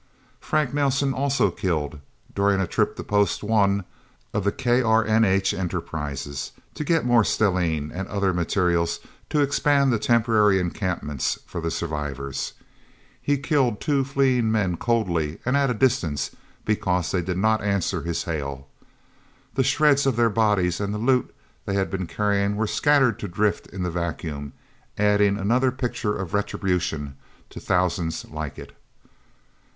Frank Nelsen also killed, during a trip to Post One of the KRNH Enterprises, to get more stellene and other materials to expand the temporary encampments for the survivors. He killed two fleeing men coldly and at a distance, because they did not answer his hail. The shreds of their bodies and the loot they had been carrying were scattered to drift in the vacuum, adding another picture of retribution to thousands like it.